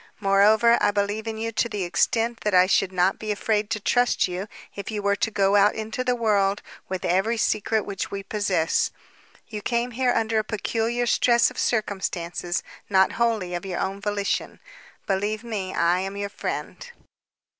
Moreover, I believe in you to the extent that I should not be afraid to trust you if you were to go out into the world with every secret which we possess. You came here under a peculiar stress of circumstances, not wholly of your own volition. Believe me, I am your friend."